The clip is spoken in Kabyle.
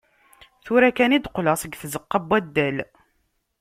Tura kan i d-qqleɣ seg tzeqqa n waddal.